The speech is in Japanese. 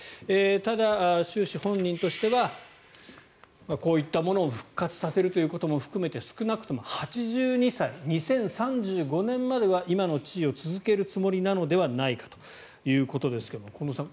ただ、習氏本人としてはこういったものを復活させるということも含めて少なくとも８２歳２０３５年までは今の地位を続けるつもりなのではないかということですが近藤さん